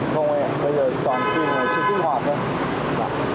không ạ bây giờ toàn sim chưa kích hoạt hết